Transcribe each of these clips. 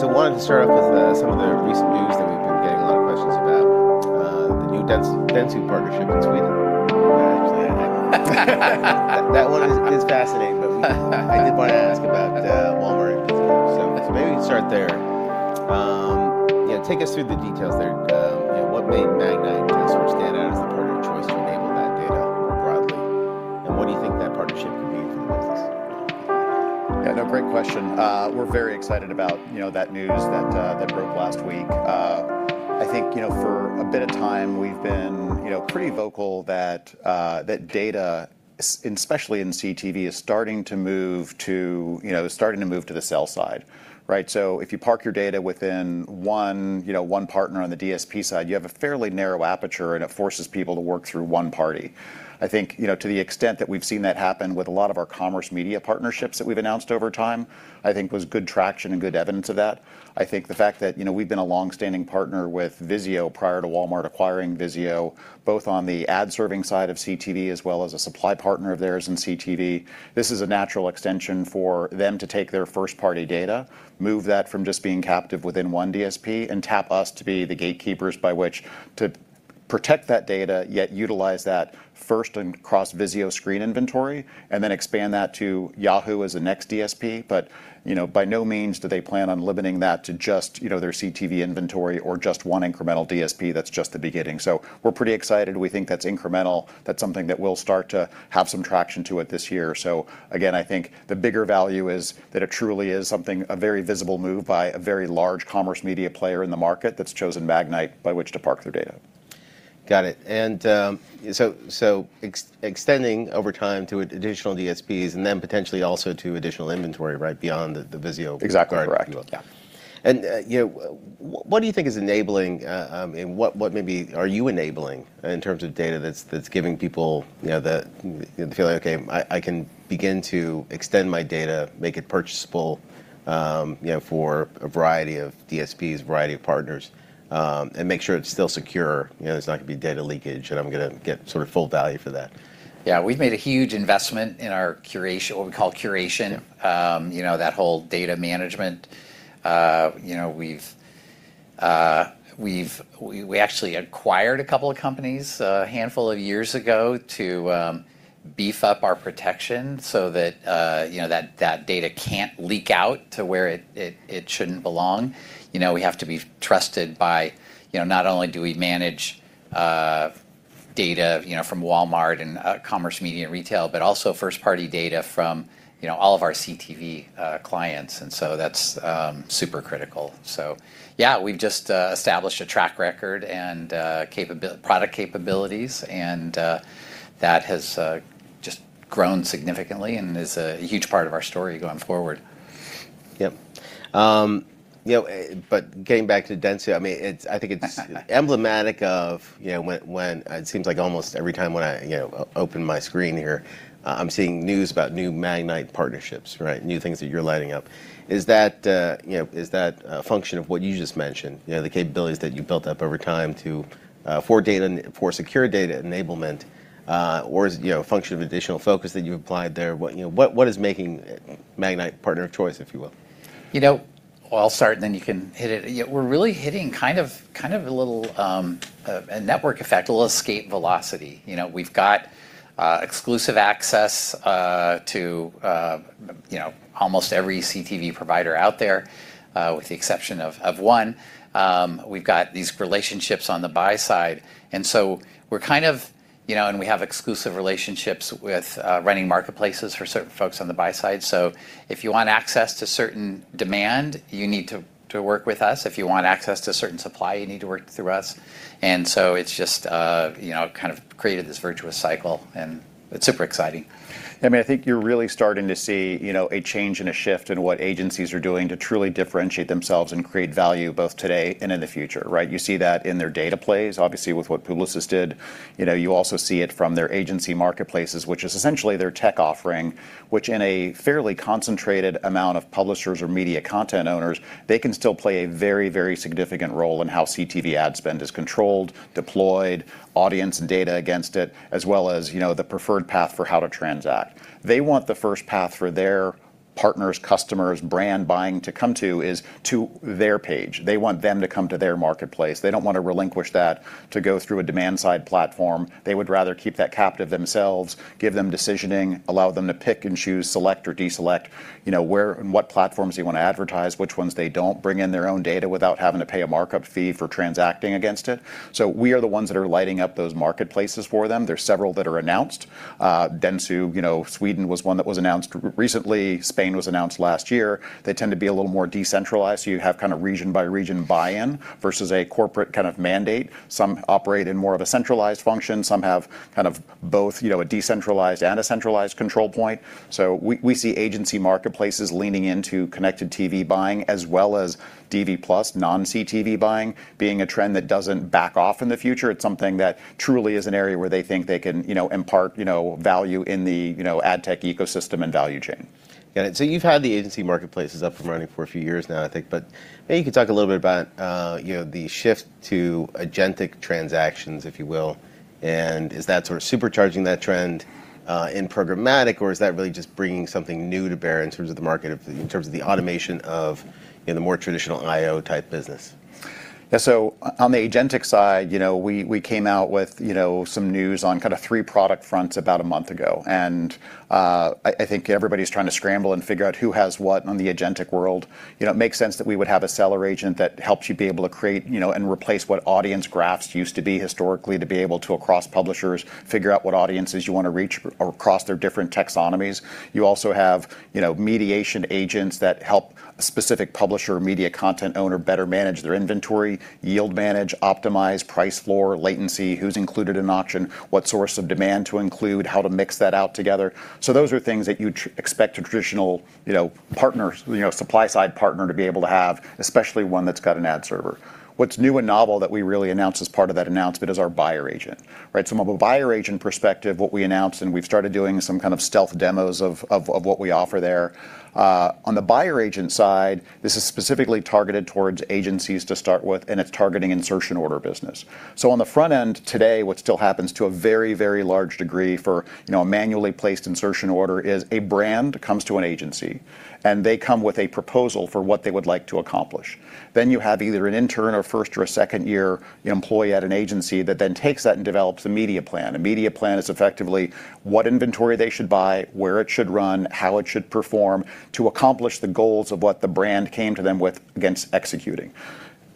I wanted to start off with some of the recent news that we've been getting a lot of questions about: the new Dentsu partnership in Sweden. Actually, hang on. That one is fascinating, but I did want to ask about Walmart and VIZIO. Maybe we can start there. Take us through the details there. What made Magnite stand out as the partner of choice to enable that data more broadly, and what do you think that partnership could mean for the business? Yeah, no, great question. We're very excited about that news that broke last week. I think for a bit of time we've been pretty vocal that data, especially in CTV, is starting to move to the sell side. Right? If you park your data within one partner on the DSP side, you have a fairly narrow aperture, and it forces people to work through one party. I think to the extent that we've seen that happen with a lot of our commerce media partnerships that we've announced over time, I think was good traction and good evidence of that. I think the fact that we've been a longstanding partner with VIZIO prior to Walmart acquiring VIZIO, both on the ad-serving side of CTV, as well as a supply partner of theirs in CTV, this is a natural extension for them to take their first-party data, move that from just being captive within one DSP, and tap us to be the gatekeepers by which to protect that data, yet utilize that first and cross VIZIO screen inventory, and then expand that to Yahoo as a next DSP. By no means do they plan on limiting that to just their CTV inventory or just one incremental DSP. That's just the beginning. We're pretty excited. We think that's incremental. That's something that will start to have some traction to it this year. Again, I think the bigger value is that it truly is something, a very visible move by a very large commerce media player in the market that's chosen Magnite by which to park their data. Got it. Extending over time to additional DSPs and then potentially also to additional inventory beyond the VIZIO. Exactly correct. Yeah if you will. What do you think is enabling, and what maybe are you enabling in terms of data that's giving people the feeling, "Okay, I can begin to extend my data, make it purchasable for a variety of DSPs, variety of partners, and make sure it's still secure, there's not going to be data leakage, and I'm going to get full value for that"? Yeah. We've made a huge investment in our curation, what we call curation. Yeah. That whole data management. We actually acquired a couple of companies a handful of years ago to beef up our protection so that that data can't leak out to where it shouldn't belong. We have to be trusted by, not only do we manage data from Walmart and commerce media and retail, but also first-party data from all of our CTV clients, that's super critical. Yeah, we've just established a track record and product capabilities, and that has just grown significantly and is a huge part of our story going forward. Yep. Getting back to Dentsu, I think it's emblematic of when it seems like almost every time when I open my screen here, I'm seeing news about new Magnite partnerships, right, new things that you're lighting up. Is that a function of what you just mentioned, the capabilities that you've built up over time for secure data enablement? Or is it a function of additional focus that you applied there? What is making Magnite partner of choice, if you will? I'll start, and then you can hit it. We're really hitting a network effect, a little escape velocity. We've got exclusive access to almost every CTV provider out there, with the exception of one. We've got these relationships on the buy side, and we have exclusive relationships with running marketplaces for certain folks on the buy side. If you want access to certain demand, you need to work with us. If you want access to a certain supply, you need to work through us. It's just created this virtuous cycle, and it's super exciting. I think you're really starting to see a change and a shift in what agencies are doing to truly differentiate themselves and create value both today and in the future, right? You see that in their data plays, obviously, with what Publicis did. You also see it from their agency marketplaces, which is essentially their tech offering, which in a fairly concentrated amount of publishers or media content owners, they can still play a very, very significant role in how CTV ad spend is controlled, deployed, audience and data against it, as well as the preferred path for how to transact. They want the first path for their partners, customers, brand buying to come to is to their page. They want them to come to their marketplace. They don't want to relinquish that to go through a demand-side platform. They would rather keep that captive themselves, give them decisioning, allow them to pick and choose, select or deselect, what platforms they want to advertise, which ones they don't. Bring in their own data without having to pay a markup fee for transacting against it. We are the ones that are lighting up those marketplaces for them. There's several that are announced. Dentsu, Sweden was one that was announced recently. Spain was announced last year. They tend to be a little more decentralized, so you have region-by-region buy-in versus a corporate mandate. Some operate in more of a centralized function. Some have both a decentralized and a centralized control point. We see agency marketplaces leaning into connected TV buying as well as DV+ non-CTV buying, being a trend that doesn't back off in the future. It's something that truly is an area where they think they can impart value in the ad tech ecosystem and value chain. Got it. You've had the agency marketplaces up and running for a few years now, I think. Maybe you could talk a little bit about the shift to agentic transactions, if you will, and is that supercharging that trend in programmatic, or is that really just bringing something new to bear in terms of the market, in terms of the automation of the more traditional IO-type business? On the agentic side, we came out with some news on kind of three product fronts about a month ago. I think everybody's trying to scramble and figure out who has what on the agentic world. It makes sense that we would have a seller agent that helps you be able to create and replace what audience graphs used to be historically to be able to, across publishers, figure out what audiences you want to reach across their different taxonomies. You also have mediation agents that help a specific publisher or media content owner better manage their inventory, yield manage, optimize price floor latency, who's included in auction, what source of demand to include, how to mix that out together. Those are things that you'd expect a traditional supply-side partner to be able to have, especially one that's got an ad server. What's new and novel that we really announced as part of that announcement is our buyer agent, right? From a buyer agent perspective, what we announced, and we've started doing some kind of stealth demos of what we offer there. On the buyer agent side, this is specifically targeted towards agencies to start with, and it's targeting insertion order business. On the front end today, what still happens to a very large degree for a manually placed insertion order is a brand comes to an agency, and they come with a proposal for what they would like to accomplish. You have either an intern or first- or second-year employee at an agency that then takes that and develops a media plan. A media plan is effectively what inventory they should buy, where it should run, how it should perform to accomplish the goals of what the brand came to them with against executing.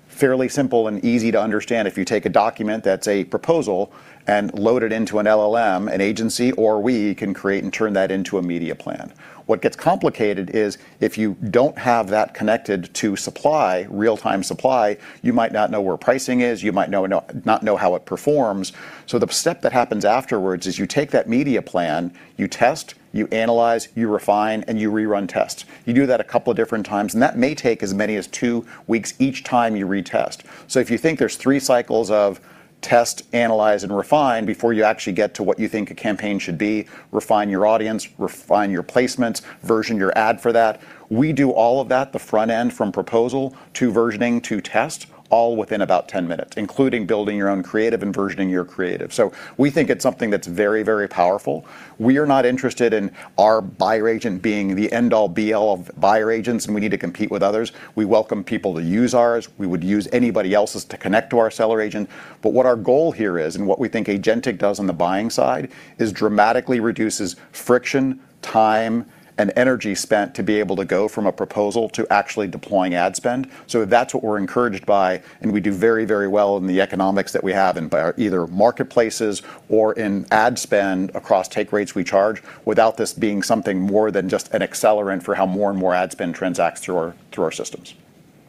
Fairly simple and easy to understand. If you take a document that's a proposal and load it into an LLM, an agency, or we can create and turn that into a media plan. What gets complicated is if you don't have that connected to supply, real-time supply, you might not know where pricing is. You might not know how it performs. The step that happens afterwards is you take that media plan, you test, you analyze, you refine, and you rerun tests. You do that a couple of different times, and that may take as many as two weeks each time you retest. If you think there's three cycles of test, analyze, and refine before you actually get to what you think a campaign should be, refine your audience, refine your placements, version your ad for that, we do all of that, the front end from proposal to versioning to test, all within about 10 minutes, including building your own creative and versioning your creative. We think it's something that's very powerful. We are not interested in our buyer agent being the end-all be-all of buyer agents and we need to compete with others. We welcome people to use ours. We would use anybody else's to connect to our seller agent. What our goal here is, and what we think agentic does on the buying side, is dramatically reduces friction, time, and energy spent to be able to go from a proposal to actually deploying ad spend. That's what we're encouraged by, and we do very well in the economics that we have in either marketplaces or in ad spend across take rates we charge without this being something more than just an accelerant for how more and more ad spend transacts through our systems.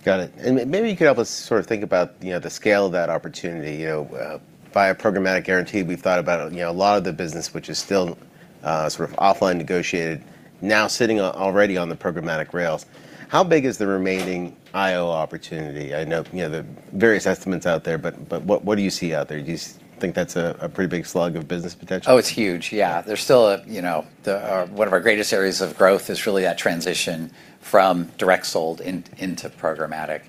Got it. Maybe you could help us sort of think about the scale of that opportunity. Via programmatic guaranteed, we've thought about a lot of the business which is still sort of offline negotiated, now sitting already on the programmatic rails. How big is the remaining IO opportunity? I know the various estimates out there, what do you see out there? Do you think that's a pretty big slug of business potential? It's huge. Yeah. One of our greatest areas of growth is really that transition from direct sold into programmatic.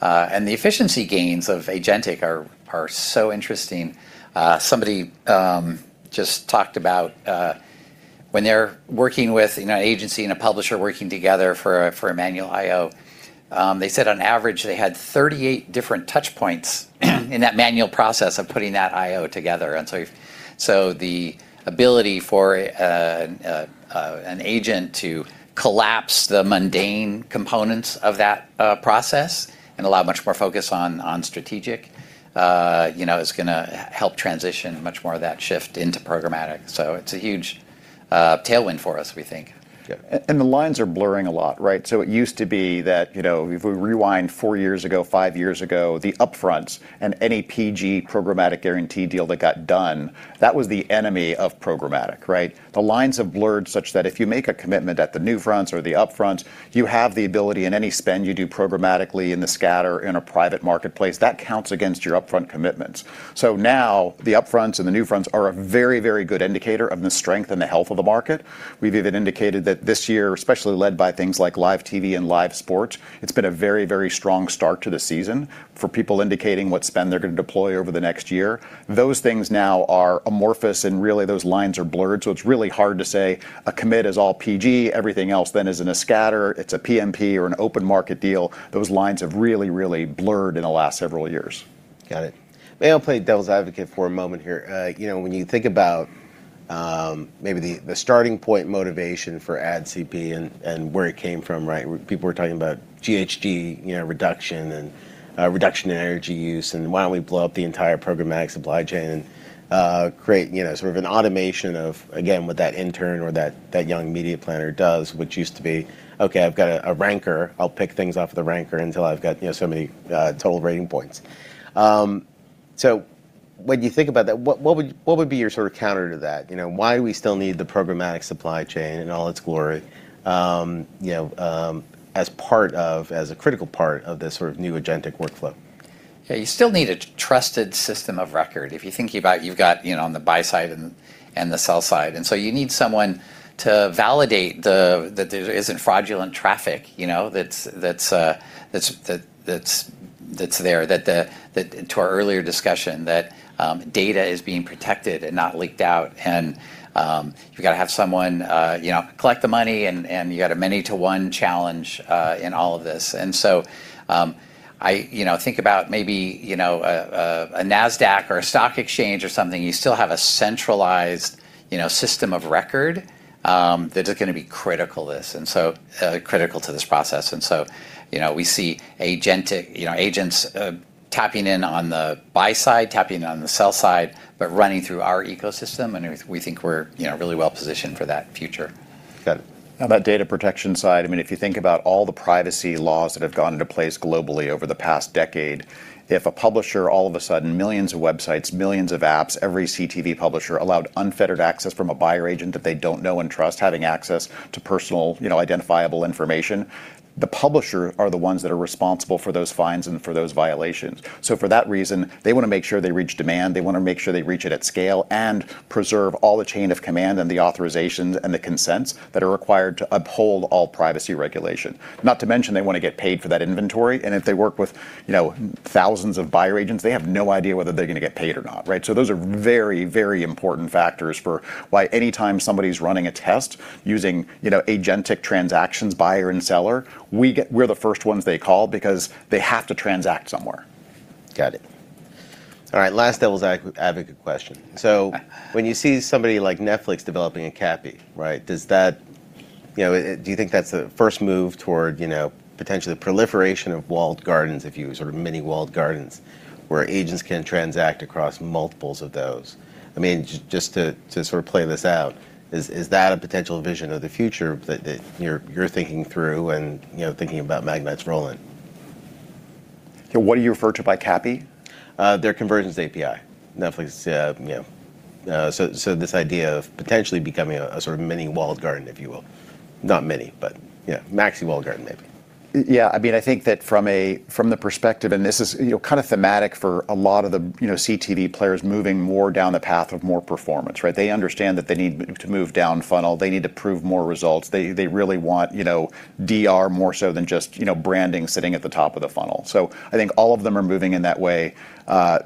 The efficiency gains of agentic are so interesting. Somebody just talked about when they're working with an agency and a publisher working together for a manual IO, they said on average they had 38 different touch points in that manual process of putting that IO together. The ability for an agent to collapse the mundane components of that process and allow much more focus on strategic is going to help transition much more of that shift into programmatic. It's a huge tailwind for us, we think. The lines are blurring a lot, right? It used to be that if we rewind four years ago, five years ago, the upfronts and any PG, programmatic guaranteed deal that got done, that was the enemy of programmatic, right? The lines have blurred such that if you make a commitment at the NewFronts or the upfronts, you have the ability in any spend you do programmatically in the scatter, in a private marketplace. That counts against your upfront commitments. Now the upfronts and the NewFronts are a very good indicator of the strength and the health of the market. We've even indicated that this year, especially led by things like live TV and live sport, it's been a very strong start to the season for people indicating what spend they're going to deploy over the next year. Those things now are amorphous and really those lines are blurred. It's really hard to say a commit is all PG, everything else then is in a scatter, it's a PMP or an open market deal. Those lines have really blurred in the last several years. Got it. May I play devil's advocate for a moment here? When you think about maybe the starting point motivation for AdCP and where it came from, right? People were talking about GHG reduction and reduction in energy use and why don't we blow up the entire programmatic supply chain and create sort of an automation of, again, what that intern or that young media planner does, which used to be, "Okay, I've got a ranker. I'll pick things off the ranker until I've got so many total rating points." When you think about that, what would be your sort of counter to that? Why do we still need the programmatic supply chain in all its glory as a critical part of this sort of new agentic workflow? Yeah, you still need a trusted system of record. If you think about it, you've got on the buy side and the sell side. You need someone to validate that there isn't fraudulent traffic that's there. To our earlier discussion, that data is being protected and not leaked out. You've got to have someone collect the money, and you got a many to one challenge in all of this. I think about maybe a Nasdaq or a stock exchange or something, you still have a centralized system of record that is going to be critical to this process. We see agents tapping in on the buy side, tapping in on the sell side, but running through our ecosystem, and we think we're really well-positioned for that future. Got it. How about data protection side? If you think about all the privacy laws that have gone into place globally over the past decade, if a publisher, all of a sudden, millions of websites, millions of apps, every CTV publisher allowed unfettered access from a buyer agent that they don't know and trust, having access to personal identifiable information. The publisher are the ones that are responsible for those fines and for those violations. For that reason, they want to make sure they reach demand, they want to make sure they reach it at scale, and preserve all the chain of command and the authorizations and the consents that are required to uphold all privacy regulation. Not to mention they want to get paid for that inventory. If they work with thousands of buyer agents, they have no idea whether they're going to get paid or not. Right? Those are very important factors for why anytime somebody's running a test using agentic transactions, buyer and seller, we're the first ones they call because they have to transact somewhere. Got it. All right, last devil's advocate question. When you see somebody like Netflix developing a CAPI, right, do you think that's a first move toward potentially the proliferation of walled gardens, if you will, sort of mini walled gardens where agents can transact across multiples of those? Just to sort of play this out, is that a potential vision of the future that you're thinking through and thinking about Magnite's role in? What do you refer to by CAPI? Their Conversions API, Netflix. This idea of potentially becoming a sort of mini walled garden, if you will. Not mini, but maxi walled garden, maybe. Yeah. I think that from the perspective, this is kind of thematic for a lot of the CTV players moving more down the path of more performance, right? They understand that they need to move down funnel, they need to prove more results. They really want DR more so than just branding sitting at the top of the funnel. I think all of them are moving in that way.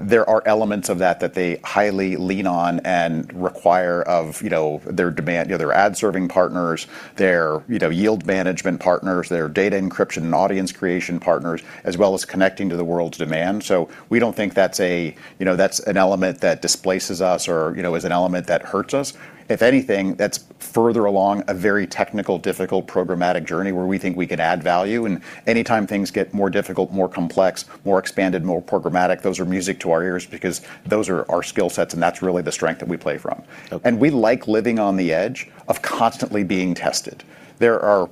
There are elements of that that they highly lean on and require of their demand, their ad serving partners, their yield management partners, their data encryption and audience creation partners, as well as connecting to the world's demand. We don't think that's an element that displaces us or is an element that hurts us. If anything, that's further along a very technical, difficult, programmatic journey where we think we can add value. Anytime things get more difficult, more complex, more expanded, more programmatic, those are music to our ears because those are our skill sets, and that's really the strength that we play from. We like living on the edge of constantly being tested. There are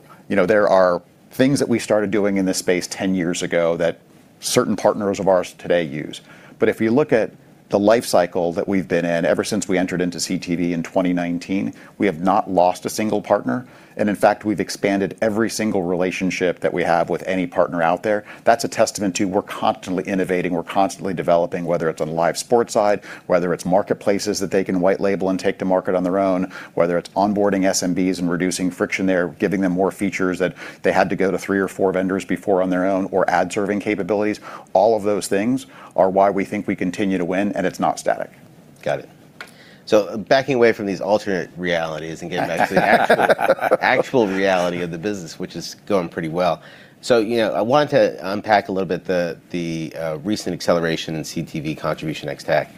things that we started doing in this space 10 years ago that certain partners of ours today use. If you look at the life cycle that we've been in, ever since we entered into CTV in 2019, we have not lost a single partner. In fact, we've expanded every single relationship that we have with any partner out there. That's a testament to we're constantly innovating, we're constantly developing, whether it's on the live sports side, whether it's marketplaces that they can white label and take to market on their own, whether it's onboarding SMBs and reducing friction there, giving them more features that they had to go to three or four vendors before on their own, or ad serving capabilities. All of those things are why we think we continue to win, and it's not static. Got it. Backing away from these alternate realities and getting back to the actual reality of the business, which is going pretty well. I want to unpack a little bit the recent acceleration in CTV contribution ad tech.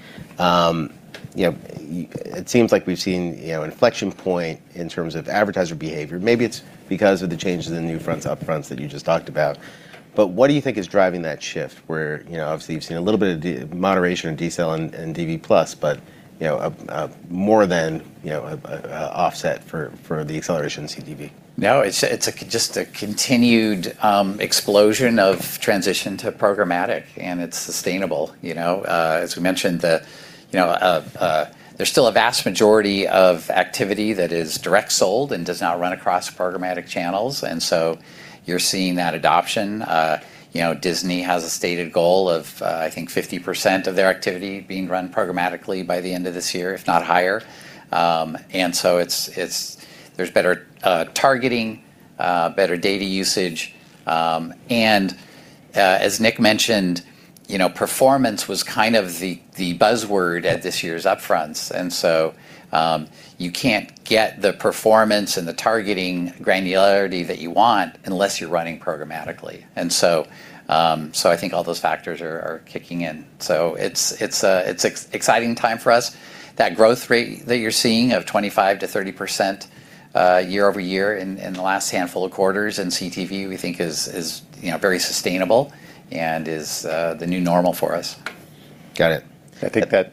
It seems like we've seen an inflection point in terms of advertiser behavior. Maybe it's because of the changes in the NewFronts, upfronts that you just talked about. What do you think is driving that shift where obviously you've seen a little bit of moderation and display and DV+, but more than offset for the acceleration in CTV? No, it's just a continued explosion of transition to programmatic, and it's sustainable. As we mentioned, there's still a vast majority of activity that is direct sold and does not run across programmatic channels. You're seeing that adoption. Disney has a stated goal of, I think, 50% of their activity being run programmatically by the end of this year, if not higher. There's better targeting, better data usage. As Nick mentioned, performance was kind of the buzzword at this year's upfronts. You can't get the performance and the targeting granularity that you want unless you're running programmatically. I think all those factors are kicking in. It's an exciting time for us. That growth rate that you're seeing of 25%-30% year-over-year in the last handful of quarters in CTV, we think is very sustainable and is the new normal for us. Got it. I think that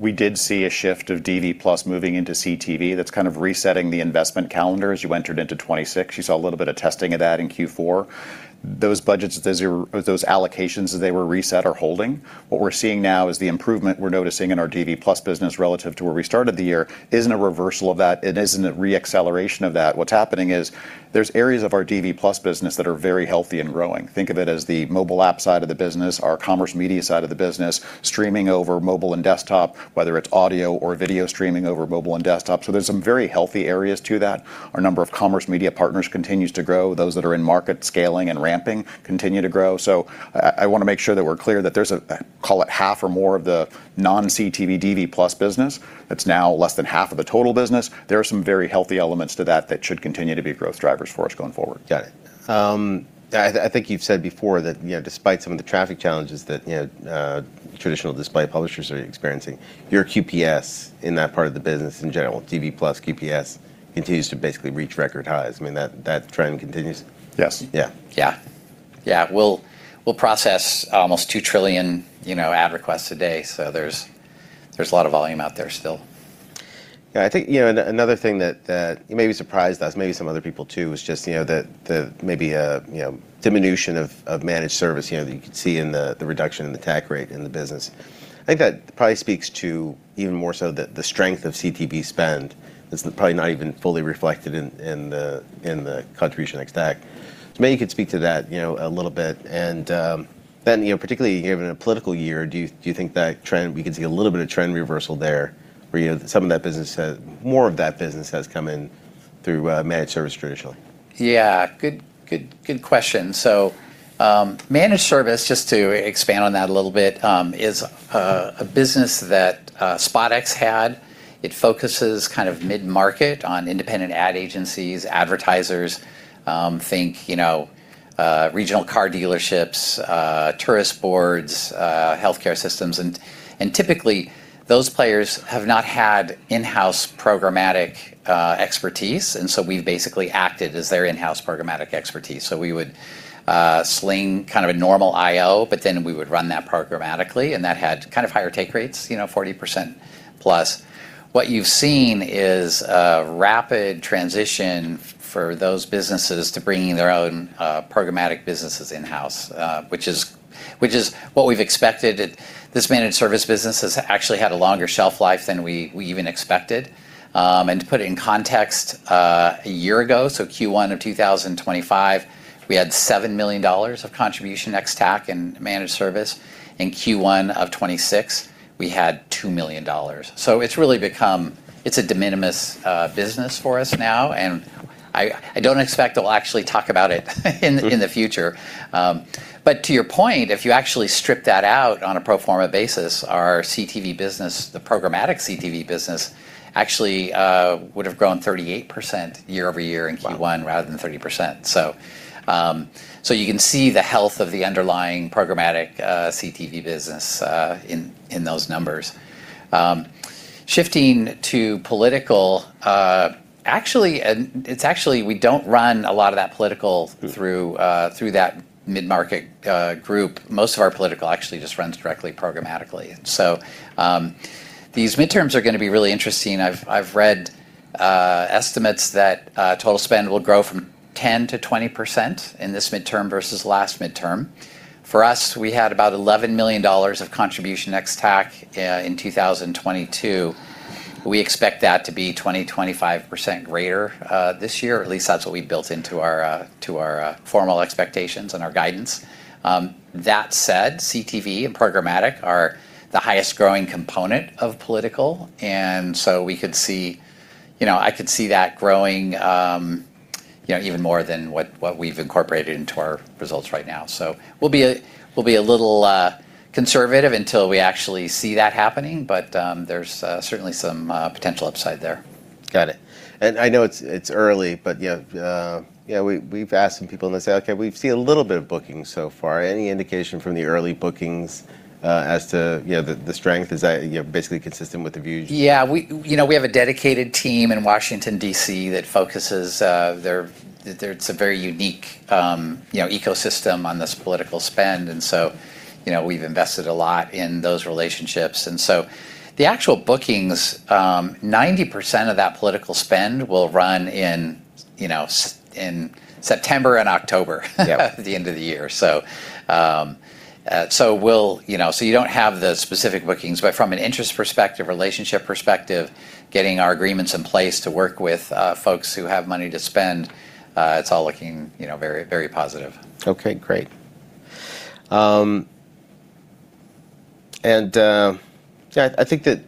we did see a shift of DV+ moving into CTV that's kind of resetting the investment calendar as you entered into 2026. You saw a little bit of testing of that in Q4. Those allocations as they were reset are holding. What we're seeing now is the improvement we're noticing in our DV+ business relative to where we started the year isn't a reversal of that. It isn't a re-acceleration of that. What's happening is there's areas of our DV+ business that are very healthy and growing. Think of it as the mobile app side of the business, our commerce media side of the business, streaming over mobile and desktop, whether it's audio or video streaming over mobile and desktop. There's some very healthy areas to that. Our number of commerce media partners continues to grow. Those that are in market scaling and ramping continue to grow. I want to make sure that we're clear that there's, call it half or more of the non-CTV, DV+ business that's now less than half of the total business. There are some very healthy elements to that that should continue to be growth drivers for us going forward. Got it. I think you've said before that despite some of the traffic challenges that traditional display publishers are experiencing, your QPS in that part of the business in general, DV+ QPS continues to basically reach record highs. I mean, that trend continues? Yes. Yeah. We'll process almost 2 trillion ad requests a day. There's a lot of volume out there still. Yeah, I think another thing that maybe surprised us, maybe some other people too, was just the maybe diminution of managed service, that you could see in the reduction in the TAC rate in the business. I think that probably speaks to even more so the strength of CTV spend is probably not even fully reflected in the contribution ex TAC. Maybe you could speak to that a little bit and, then, particularly in a political year, do you think that we could see a little bit of trend reversal there where more of that business has come in through managed service traditionally? Yeah. Good question. Managed service, just to expand on that a little bit, is a business that SpotX had. It focuses kind of mid-market on independent ad agencies, advertisers, think regional car dealerships, tourist boards, healthcare systems, and typically, those players have not had in-house programmatic expertise, and so we've basically acted as their in-house programmatic expertise. We would sling kind of a normal IO, but then we would run that programmatically, and that had kind of higher take rates, 40%+. What you've seen is a rapid transition for those businesses to bringing their own programmatic businesses in-house, which is what we've expected. This managed service business has actually had a longer shelf life than we even expected. To put it in context, a year ago, Q1 of 2025, we had $7 million of contribution ex TAC in managed service. In Q1 of 2026, we had $2 million. It's a de minimis business for us now, and I don't expect I'll actually talk about it in the future. To your point, if you actually strip that out on a pro forma basis, our CTV business, the programmatic CTV business, actually would've grown 38% year-over-year in Q1 rather than 30%. You can see the health of the underlying programmatic CTV business in those numbers. Shifting to political, actually, we don't run a lot of that political through that mid-market group. Most of our political actually just runs directly programmatically. These midterms are going to be really interesting. I've read estimates that total spend will grow from 10%-20% in this midterm versus last midterm. For us, we had about $11 million of contribution ex TAC in 2022. We expect that to be 20%, 25% greater this year, or at least that's what we built into our formal expectations and our guidance. That said, CTV and programmatic are the highest growing component of political, and so I could see that growing even more than what we've incorporated into our results right now. We'll be a little conservative until we actually see that happening, but there's certainly some potential upside there. Got it. I know it's early, but we've asked some people and they say, "Okay, we've seen a little bit of booking so far." Any indication from the early bookings as to the strength? Is that basically consistent with the views? Yeah. We have a dedicated team in Washington, D.C. that focuses, it's a very unique ecosystem, on this political spend, and so we've invested a lot in those relationships. The actual bookings, 90% of that political spend will run in September and October. At the end of the year. You don't have the specific bookings, but from an interest perspective, relationship perspective, getting our agreements in place to work with folks who have money to spend, it's all looking very positive. Okay, great. Yeah, I think that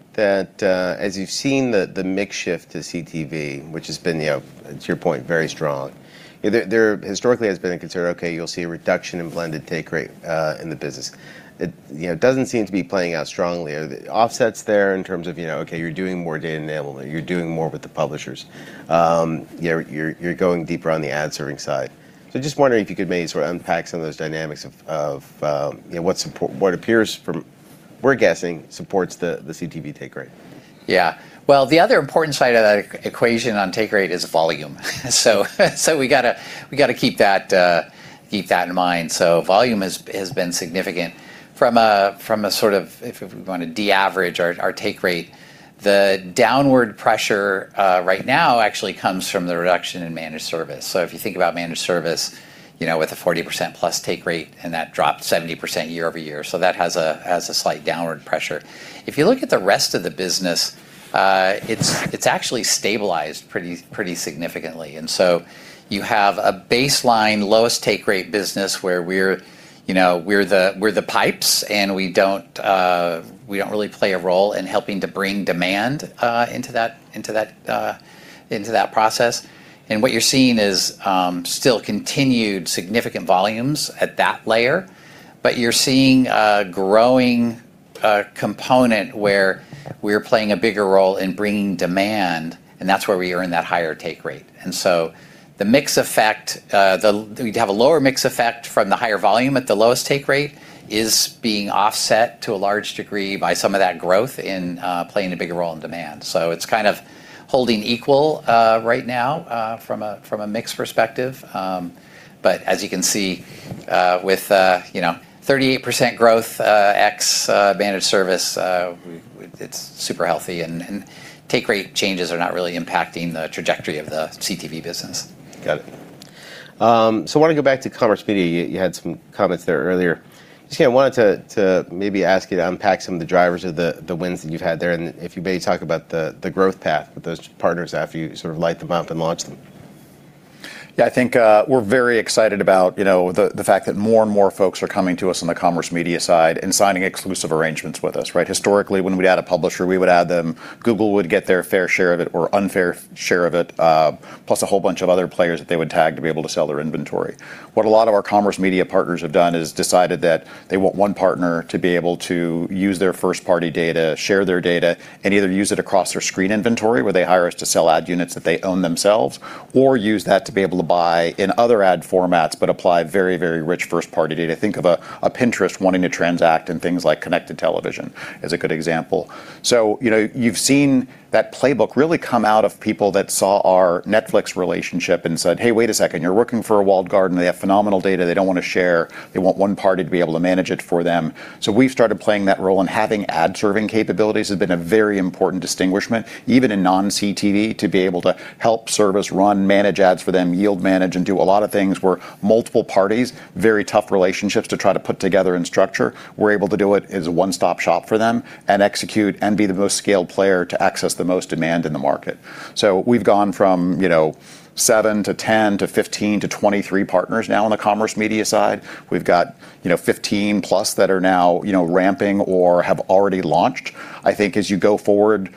as you've seen the mix shift to CTV, which has been, to your point, very strong. There historically has been a concern, okay, you'll see a reduction in blended take rate in the business. It doesn't seem to be playing out strongly. Are the offsets there in terms of, okay, you're doing more data enablement, you're doing more with the publishers. You're going deeper on the ad serving side. Just wondering if you could maybe sort of unpack some of those dynamics of what appears from, we're guessing, supports the CTV take rate. Yeah. Well, the other important side of that equation on take rate is volume. We got to keep that in mind. Volume has been significant. From a sort of, if we want to de-average our take rate, the downward pressure right now actually comes from the reduction in managed service. If you think about managed service, with a 40%+ take rate, and that dropped 70% year-over-year. That has a slight downward pressure. If you look at the rest of the business, it's actually stabilized pretty significantly. You have a baseline lowest take rate business where we're the pipes, and we don't really play a role in helping to bring demand into that process. What you're seeing is still continued significant volumes at that layer. You're seeing a growing component where we're playing a bigger role in bringing demand, and that's where we earn that higher take rate. The mix effect, we'd have a lower mix effect from the higher volume at the lowest take rate is being offset to a large degree by some of that growth in playing a bigger role in demand. It's kind of holding equal right now, from a mixed perspective. As you can see, with 38% growth ex managed service, it's super healthy and take rate changes are not really impacting the trajectory of the CTV business. Got it. I want to go back to commerce media. You had some comments there earlier. Just again, wanted to maybe ask you to unpack some of the drivers of the wins that you've had there, and if you maybe talk about the growth path with those partners after you sort of light them up and launch them. Yeah, I think we're very excited about the fact that more and more folks are coming to us on the commerce media side and signing exclusive arrangements with us. Historically, when we'd add a publisher, we would add them, Google would get their fair share of it, or unfair share of it, plus a whole bunch of other players that they would tag to be able to sell their inventory. What a lot of our commerce media partners have done is decided that they want one partner to be able to use their first-party data, share their data, and either use it across their screen inventory, where they hire us to sell ad units that they own themselves, or use that to be able to buy in other ad formats, but apply very, very rich first-party data. Think of a Pinterest wanting to transact in things like connected television as a good example. You've seen that playbook really come out of people that saw our Netflix relationship and said, "Hey, wait a second. You're working for a walled garden. They have phenomenal data they don't want to share. They want one party to be able to manage it for them." We've started playing that role, and having ad-serving capabilities has been a very important distinguishment, even in non-CTV, to be able to help service, run, manage ads for them, yield manage, and do a lot of things where multiple parties, very tough relationships to try to put together and structure. We're able to do it as a one-stop shop for them and execute and be the most scaled player to access the most demand in the market. We've gone from 7 to 10 to 15 to 23 partners now on the commerce media side. We've got 15+ that are now ramping or have already launched. I think as you go forward,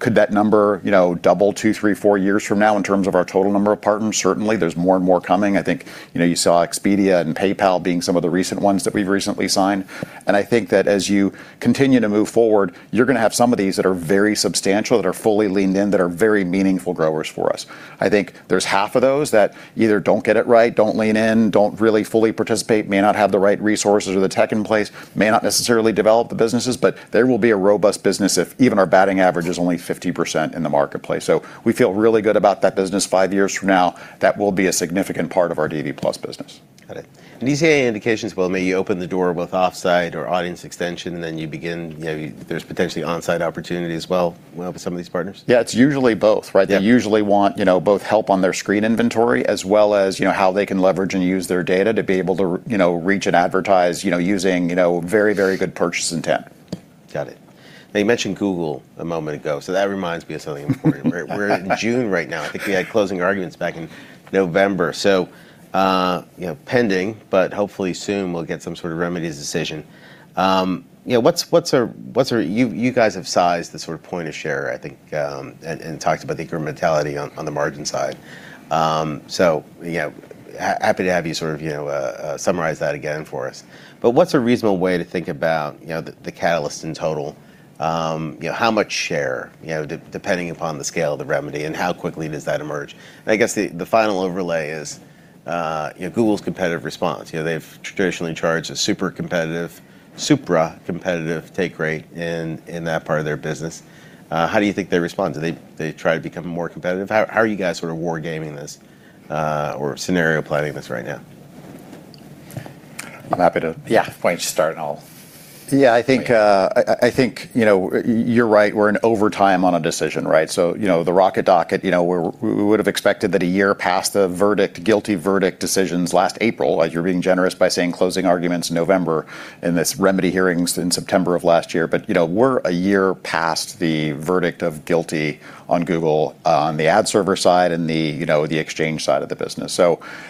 could that number double two, three, four years from now in terms of our total number of partners? Certainly, there's more and more coming. I think you saw Expedia and PayPal being some of the recent ones that we've recently signed. I think that as you continue to move forward, you're going to have some of these that are very substantial, that are fully leaned in, that are very meaningful growers for us. I think there's half of those that either don't get it right, don't lean in, don't really fully participate, may not have the right resources or the tech in place, may not necessarily develop the businesses, but there will be a robust business if even our batting average is only 50% in the marketplace. We feel really good about that business five years from now. That will be a significant part of our DV+ business. Got it. Do you see any indications, well, may you open the door with offsite or audience extension, then you begin, there's potentially onsite opportunity as well with some of these partners? Yeah, it's usually both, right? They usually want both help on their screen inventory as well as how they can leverage and use their data to be able to reach and advertise using very, very good purchase intent. Got it. You mentioned Google a moment ago, that reminds me of something important. We're in June right now. I think we had closing arguments back in November. Pending, but hopefully soon we'll get some sort of remedies decision. You guys have sized the sort of point of share, I think, and talked about the incrementality on the margin side. Happy to have you sort of summarize that again for us. What's a reasonable way to think about the catalyst in total? How much share, depending upon the scale of the remedy, and how quickly does that emerge? I guess the final overlay is Google's competitive response. They've traditionally charged a super competitive, supra-competitive take rate in that part of their business. How do you think they respond? Do they try to become more competitive? How are you guys sort of war gaming this, or scenario planning this right now? I'm happy to. Why don't you start and I'll? Yeah, I think you're right. We're in overtime on a decision. The rocket docket, we would have expected that one year past the verdict, guilty verdict decisions last April. You're being generous by saying closing arguments November, and this remedy hearings in September of last year. We're one year past the verdict of guilty on Google on the ad server side and the exchange side of the business.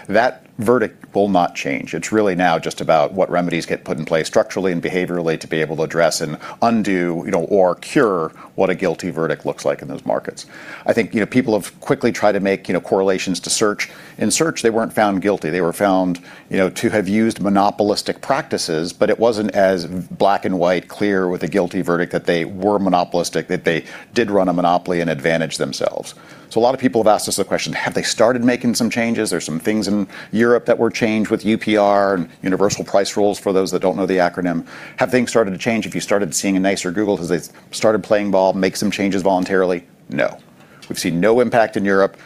That verdict will not change. It's really now just about what remedies get put in place structurally and behaviorally to be able to address and undo or cure what a guilty verdict looks like in those markets. I think people have quickly tried to make correlations to search. In search, they weren't found guilty. They were found to have used monopolistic practices. It wasn't as black and white clear with a guilty verdict that they were monopolistic, that they did run a monopoly and advantage themselves. A lot of people have asked us the question, have they started making some changes? There's some things in Europe that were changed with UPR and Unified Pricing Rules for those that don't know the acronym. Have things started to change? Have you started seeing a nicer Google because they started playing ball, make some changes voluntarily? No. We've seen no impact in Europe.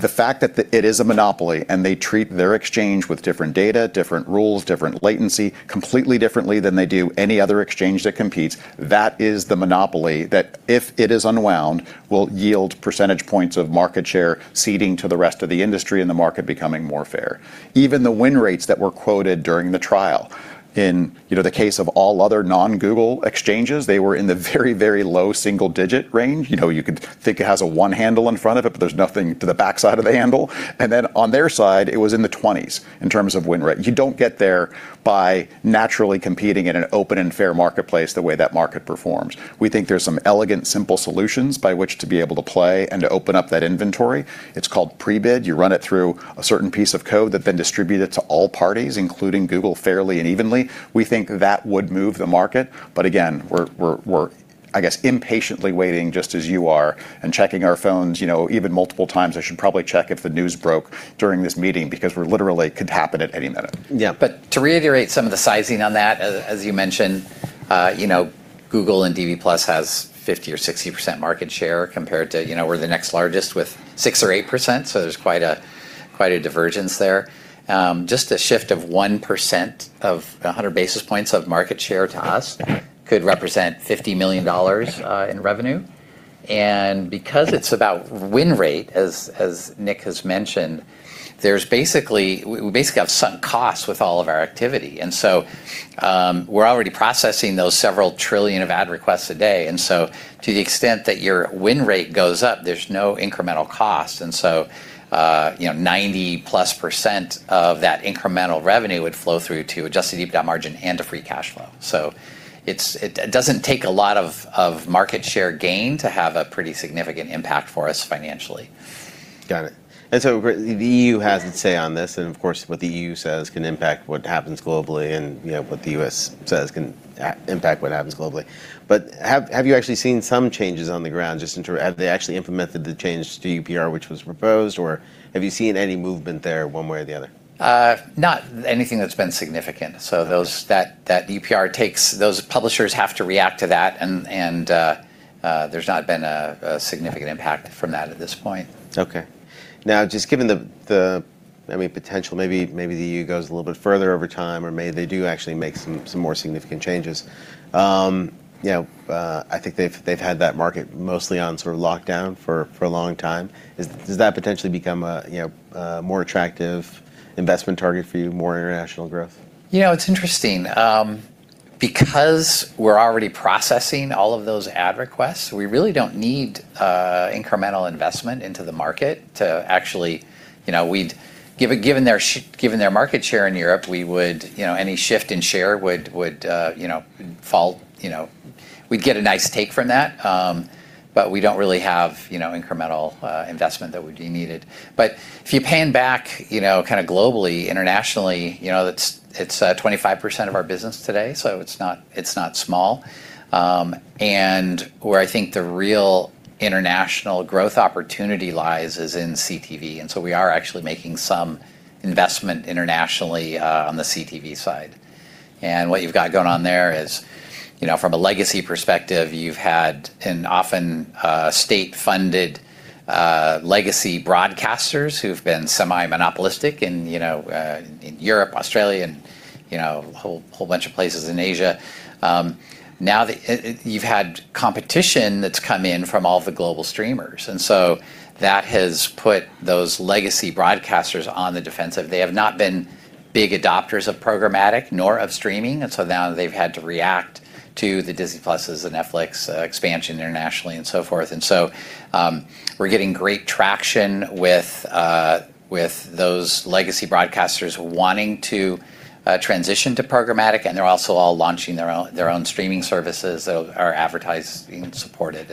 The fact that it is a monopoly and they treat their exchange with different data, different rules, different latency, completely differently than they do any other exchange that competes, that is the monopoly, that if it is unwound, will yield percentage points of market share ceding to the rest of the industry and the market becoming more fair. Even the win rates that were quoted during the trial. In the case of all other non-Google exchanges, they were in the very, very low single-digit range. You could think it has a one handle in front of it, but there's nothing to the backside of the handle. On their side, it was in the 20s in terms of win rate. You don't get there by naturally competing in an open and fair marketplace the way that market performs. We think there's some elegant, simple solutions by which to be able to play and to open up that inventory. It's called Prebid. You run it through a certain piece of code that then distribute it to all parties, including Google, fairly and evenly. We think that would move the market. Again, we're, I guess, impatiently waiting just as you are and checking our phones even multiple times. I should probably check if the news broke during this meeting, because we're literally could happen at any minute. Yeah. To reiterate some of the sizing on that, as you mentioned, Google and DV+ has 50% or 60% market share compared to, we're the next largest with 6% or 8%, there's quite a divergence there. Just a shift of 1% of 100 basis points of market share to us could represent $50 million in revenue. Because it's about win rate, as Nick has mentioned, we basically have sunk costs with all of our activity. We're already processing those several trillion of ad requests a day, to the extent that your win rate goes up, there's no incremental cost. 90%+ of that incremental revenue would flow through to adjusted EBITDA margin and to free cash flow. It doesn't take a lot of market share gain to have a pretty significant impact for us financially. Got it. The EU has its say on this, and of course, what the EU says can impact what happens globally and what the U.S. says can impact what happens globally. Have you actually seen some changes on the ground? Have they actually implemented the change to UPR which was proposed, or have you seen any movement there one way or the other? Not anything that's been significant. Those that UPR takes, those publishers have to react to that and there's not been a significant impact from that at this point. Okay. Now, just given the potential, maybe the EU goes a little bit further over time, or maybe they do actually make some more significant changes. I think they've had that market mostly on sort of lockdown for a long time. Does that potentially become a more attractive investment target for you, more international growth? It's interesting. Because we're already processing all of those ad requests, we really don't need incremental investment into the market. Given their market share in Europe, any shift in share would fall. We'd get a nice take from that, but we don't really have incremental investment that would be needed. If you pan back globally, internationally, it's 25% of our business today, so it's not small. Where I think the real international growth opportunity lies is in CTV. We are actually making some investment internationally on the CTV side. What you've got going on there is, from a legacy perspective, you've had an often state-funded legacy broadcasters who've been semi-monopolistic in Europe, Australia, and whole bunch of places in Asia. Now you've had competition that's come in from all the global streamers, and so that has put those legacy broadcasters on the defensive. They have not been big adopters of programmatic nor of streaming, and so now they've had to react to the Disney+, the Netflix expansion internationally and so forth. We're getting great traction with those legacy broadcasters wanting to transition to programmatic, and they're also all launching their own streaming services that are advertising-supported.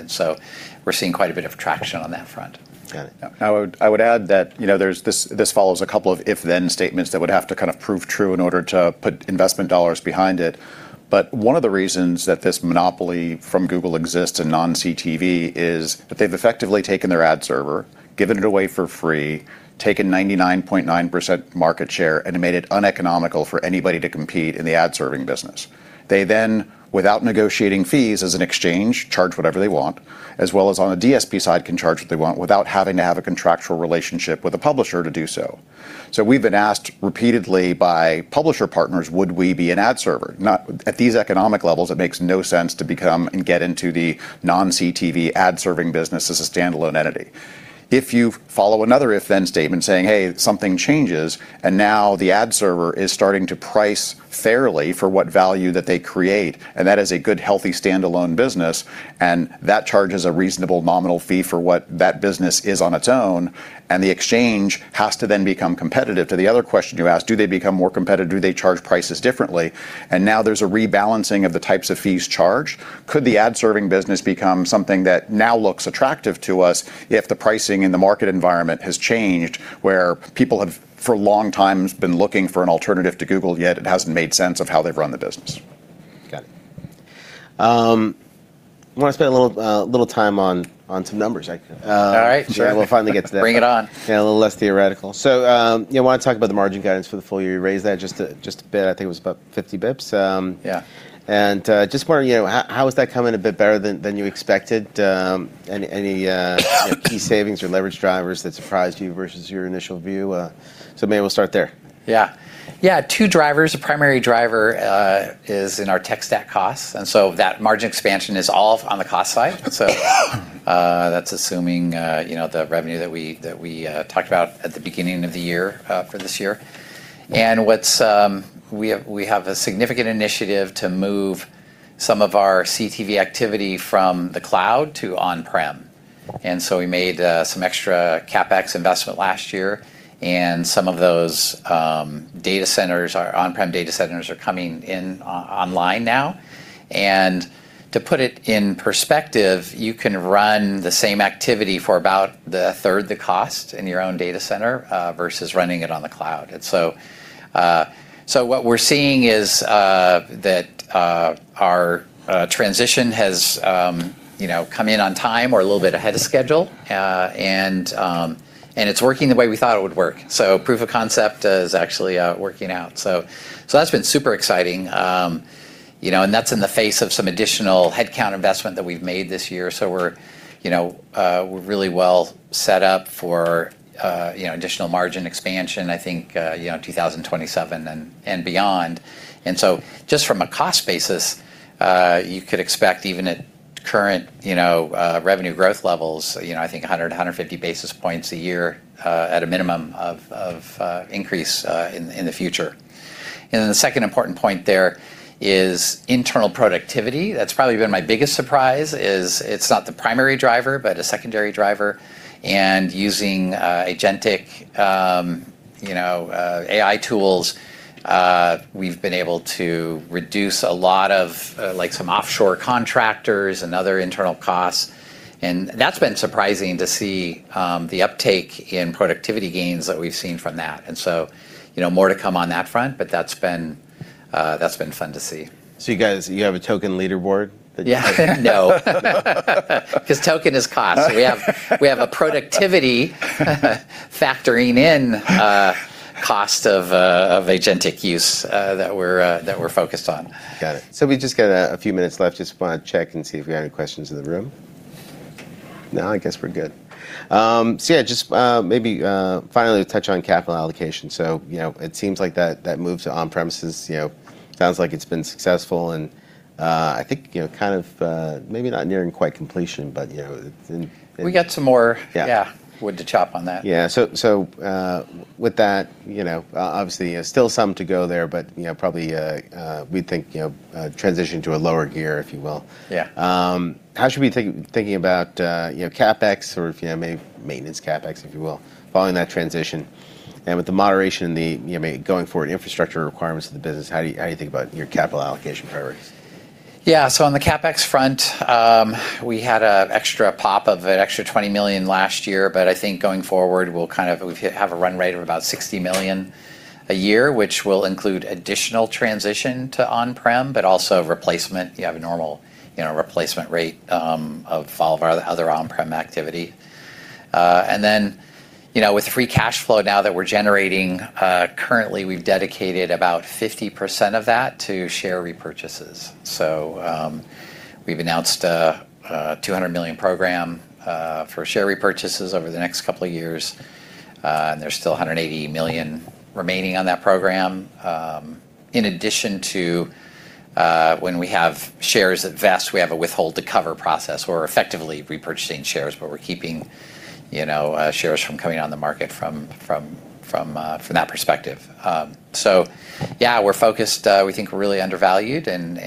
We're seeing quite a bit of traction on that front. Got it. I would add that this follows a couple of if/then statements that would have to kind of prove true in order to put investment dollars behind it. One of the reasons that this monopoly from Google exists in non-CTV is that they've effectively taken their ad server, given it away for free, taken 99.9% market share, and made it uneconomical for anybody to compete in the ad-serving business. They then, without negotiating fees as an exchange, charge whatever they want, as well as on the DSP side, can charge what they want without having to have a contractual relationship with a publisher to do so. We've been asked repeatedly by publisher partners, would we be an ad server? At these economic levels, it makes no sense to become and get into the non-CTV ad-serving business as a standalone entity. If you follow another if/then statement saying, "Hey, something changes," and now the ad server is starting to price fairly for what value that they create, and that is a good, healthy, standalone business, and that charges a reasonable nominal fee for what that business is on its own, and the exchange has to then become competitive. To the other question you asked, do they become more competitive? Do they charge prices differently? Now there's a rebalancing of the types of fees charged. Could the ad-serving business become something that now looks attractive to us if the pricing in the market environment has changed, where people have, for a long time, been looking for an alternative to Google, yet it hasn't made sense of how they've run the business, Got it. I want to spend a little time on some numbers. All right, sure. Yeah, we'll finally get to that. Bring it on. Yeah, a little less theoretical. I want to talk about the margin guidance for the full year. You raised that just a bit. I think it was about 50 bps. Yeah. Just wondering, how is that coming a bit better than you expected? Any key savings or leverage drivers that surprised you versus your initial view? Maybe we'll start there. Yeah. Two drivers. A primary driver is in our tech stack costs, and so that margin expansion is all on the cost side. That's assuming the revenue that we talked about at the beginning of the year for this year. We have a significant initiative to move some of our CTV activity from the cloud to on-prem. We made some extra CapEx investment last year, and some of those on-prem data centers are coming online now. To put it in perspective, you can run the same activity for about a third the cost in your own data center, versus running it on the cloud. What we're seeing is that our transition has come in on time or a little bit ahead of schedule. It's working the way we thought it would work. Proof of concept is actually working out. That's been super exciting. That's in the face of some additional headcount investment that we've made this year. We're really well set up for additional margin expansion, I think, 2027 and beyond. Just from a cost basis, you could expect even at current revenue growth levels, I think 100, 150 basis points a year at a minimum of increase in the future. Then the second important point there is internal productivity. That's probably been my biggest surprise is it's not the primary driver, but a secondary driver, and using agentic AI tools, we've been able to reduce a lot of offshore contractors and other internal costs. That's been surprising to see the uptake in productivity gains that we've seen from that. More to come on that front, but that's been fun to see. You have a token leaderboard. Yeah. No. Because token is cost. We have a productivity factoring in cost of agentic use that we're focused on. Got it. We just got a few minutes left. Just want to check and see if we have any questions in the room. No, I guess we're good. Yeah, just maybe finally touch on capital allocation. It seems like that move to on-premises sounds like it's been successful and I think maybe not nearing quite completion, but-- We got some more. Wood to chop on that. Yeah. With that, obviously still some to go there, but probably we think transition to a lower gear, if you will. Yeah. How should we be thinking about CapEx or maybe maintenance CapEx, if you will, following that transition. With the moderation going forward, infrastructure requirements of the business, how are you thinking about your capital allocation priorities? Yeah. On the CapEx front, we had a extra pop of an extra $20 million last year. I think going forward, we'll have a run rate of about $60 million a year, which will include additional transition to on-prem, but also replacement. You have a normal replacement rate of all of our other on-prem activity. With free cash flow now that we're generating, currently we've dedicated about 50% of that to share repurchases. We've announced a $200 million program for share repurchases over the next couple of years. There's still $180 million remaining on that program. In addition to when we have shares at vest, we have a withhold to cover process. We're effectively repurchasing shares, but we're keeping shares from coming on the market from that perspective. Yeah, we're focused. We think we're really undervalued and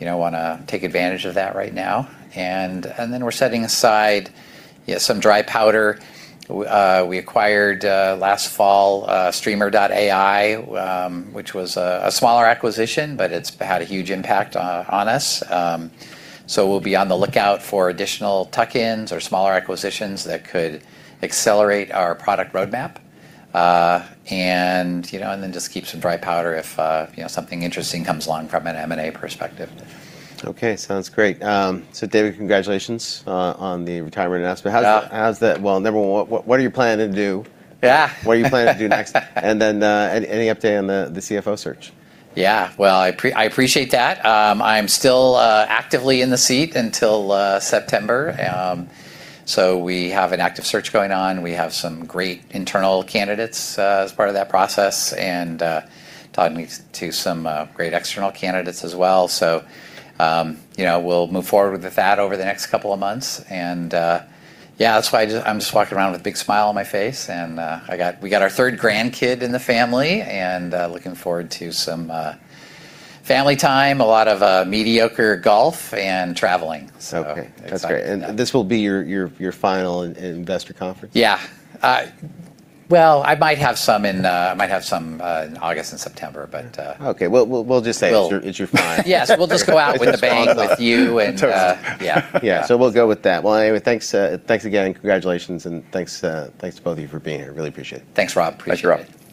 want to take advantage of that right now. We're setting aside some dry powder. We acquired, last fall, streamr.ai, which was a smaller acquisition, but it's had a huge impact on us. We'll be on the lookout for additional tuck-ins or smaller acquisitions that could accelerate our product roadmap. Just keep some dry powder if something interesting comes along from an M&A perspective. Okay. Sounds great. David, congratulations on the retirement announcement. Well, number one, what are you planning to do? Yeah. What are you planning to do next? Any update on the CFO search? Yeah. Well, I appreciate that. I'm still actively in the seat until September. We have an active search going on. We have some great internal candidates as part of that process. Todd's meeting to some great external candidates as well. We'll move forward with that over the next couple of months. Yeah, that's why I'm just walking around with a big smile on my face and we got our third grandkid in the family and looking forward to some family time, a lot of mediocre golf and traveling. Excited about that. Okay. That's great. This will be your final investor conference? Yeah. Well, I might have some in August and September. Okay. It's your final. Yes. We'll just go out with a bang with you. Totally. Yeah. Yeah. We'll go with that. Well, anyway, thanks again. Congratulations, and thanks to both of you for being here. Really appreciate it. Thanks, Rob. Appreciate it. Thanks, Rob.